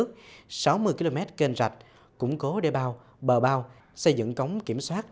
các nước sáu mươi km kênh rạch củng cố đệ bao bờ bao xây dựng cống kiểm soát